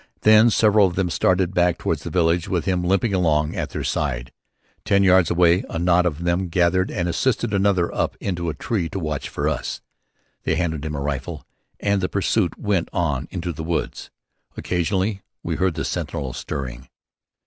Then several of them started back toward the village, with him limping along at their side. Ten yards away a knot of them gathered and assisted another up into a tree to watch for us. One handed him a rifle and the pursuit went on into the wood. Occasionally we heard the sentinel stirring.